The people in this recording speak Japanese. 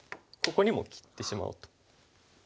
ここにも切ってしまうと。